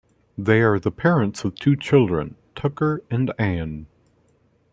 They are the parents of two children: Tucker and Anne.